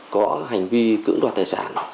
có hành vi cưỡng đoạt tài sản